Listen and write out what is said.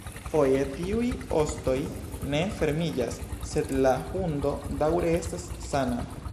Foje tiuj ostoj ne fermiĝas, sed la hundo daŭre estas sana.